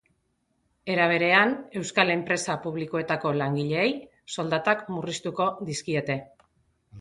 Era berean, euskal enpresa publikoetako langileei soldatak murriztuko dizkiete.